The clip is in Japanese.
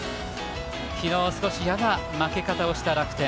昨日、少し、嫌な負け方をした楽天。